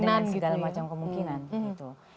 dengan segala macam kemungkinan gitu